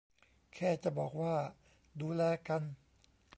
แค่จะบอกว่า ดูแลกัน